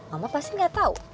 karena mama pasti gak tau